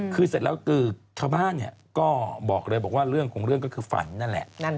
คือเสร็จแล้วคือชาวบ้านเนี่ยก็บอกเลยบอกว่าเรื่องของเรื่องก็คือฝันนั่นแหละ